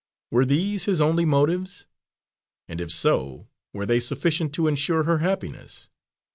Were these his only motives; and, if so, were they sufficient to ensure her happiness?